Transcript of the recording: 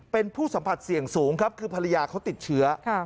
เป็นผู้สัมผัสเสี่ยงสูงครับคือภรรยาเขาติดเชื้อ